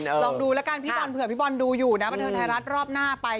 ลองดูแล้วกันพี่บอลเผื่อพี่บอลดูอยู่นะบันเทิงไทยรัฐรอบหน้าไป